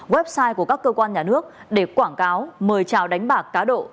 website của các cơ quan nhà nước để quảng cáo mời trào đánh bạc cá độ